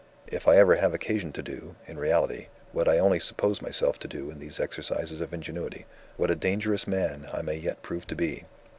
If I ever have occasion to do, in reality, what I only suppose myself to do in these exercises of ingenuity, what a dangerous man I may yet prove to be!